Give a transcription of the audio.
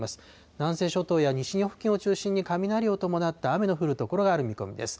南西諸島や西日本付近を中心に、雷を伴って雨の降る所がある見込みです。